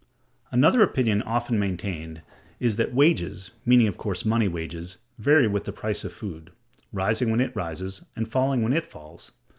Another opinion often maintained is, that wages (meaning of course money wages) vary with the price of food; rising when it rises, and falling when it falls.